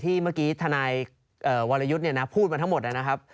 เมื่อกี้ทนายวรยุทธ์พูดมาทั้งหมดนะครับ